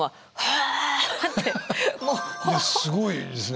すごいですね。